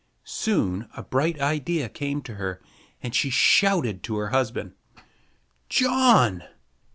Soon a bright idea came to her, and she shouted to her husband: "John!